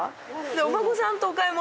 お孫さんとお買い物？